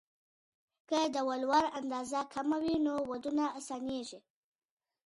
که د ولور اندازه کمه وي، نو ودونه اسانېږي.